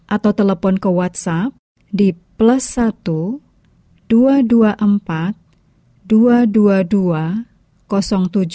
atau telepon ke whatsapp di plus satu dua ratus dua puluh empat dua ratus dua puluh dua tujuh ratus tujuh puluh tujuh